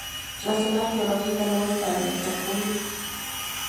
La zona arqueológica no está abierta al público.